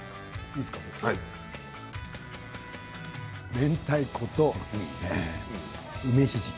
めんたいこと梅ひじき。